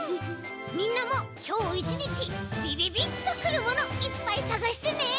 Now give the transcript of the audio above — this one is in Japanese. みんなもきょういちにちびびびっとくるものいっぱいさがしてね。